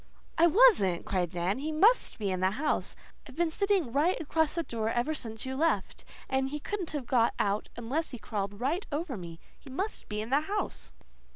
"I wasn't," cried Dan. "He MUST be in the house. I've been sitting right across the door ever since you left, and he couldn't have got out unless he crawled right over me. He must be in the house."